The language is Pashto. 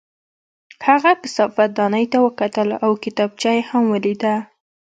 هغه کثافت دانۍ ته وکتل او کتابچه یې هم ولیده